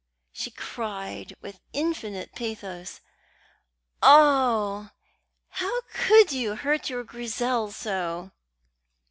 She cried, with infinite pathos, "Oh, how could you hurt your Grizel so!"